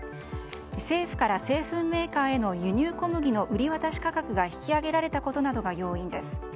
政府から製粉メーカーへの輸入小麦の売り渡し価格が引き上げられたことなどが要因です。